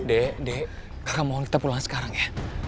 dek dek karena mohon kita pulang sekarang ya